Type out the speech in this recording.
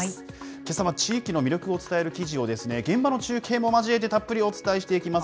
けさは地域の魅力を伝える記事を、現場の中継も交えて、たっぷりお伝えしていきます。